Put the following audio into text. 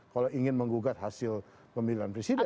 kalau ingin menggugat hasil pemilihan presiden